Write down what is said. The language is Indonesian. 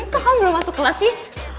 kok kamu belum masuk kelas sih